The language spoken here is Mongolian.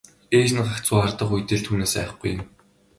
Ээж нь гагцхүү хардах үедээ л түүнээс айхгүй.